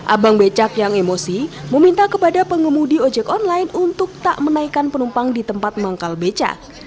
abang becak yang emosi meminta kepada pengemudi ojek online untuk tak menaikkan penumpang di tempat manggal becak